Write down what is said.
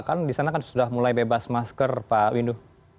karena di sana kan sudah mulai bebas masker pak windu